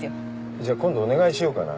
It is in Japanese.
じゃ今度お願いしようかな。